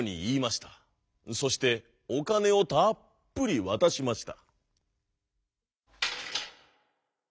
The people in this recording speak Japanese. そしておかねをたっぷりわたしました。